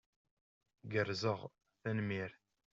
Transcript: Gerrzeɣ. Tanemmirt.